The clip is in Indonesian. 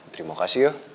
terima kasih yoh